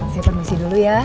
saya permisi dulu ya